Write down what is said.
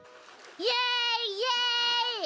やいやい！